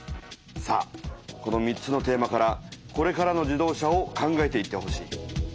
さあこの３つのテーマからこれからの自動車を考えていってほしい。